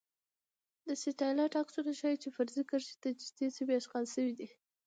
د سټلایټ عکسونه ښايی چې فرضي کرښې ته نږدې سیمې اشغال شوي دي